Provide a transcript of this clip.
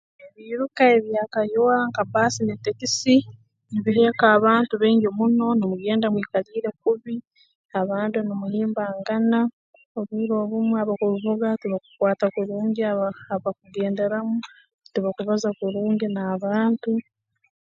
Ebiiruka ebya kayoora nka bbaasi na teekisi nibiheeka abantu baingi muno numugenda mwikaliire kubi abandi numuhimbangana obwire obumu abakubivuga tibakukwata kurungi aba abakugenderamu tibakubaza kurungi n'abantu